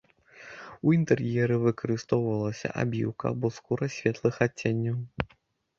У інтэр'еры выкарыстоўвалася абіўка або скура светлых адценняў.